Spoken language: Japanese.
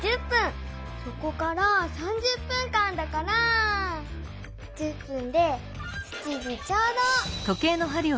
そこから３０分間だから１０分で７時ちょうど！